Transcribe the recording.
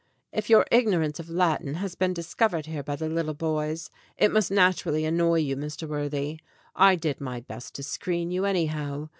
"If your ignorance of Latin has been discovered here by the lit tle boys, it must naturally annoy you, Mr. Worthy. I did my best to screen you, anyhow.